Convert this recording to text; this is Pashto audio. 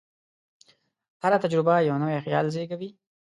هره تجربه یو نوی خیال زېږوي.